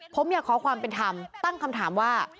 ผมอยากขอความเป็นธรรมตั้งคำถามว่า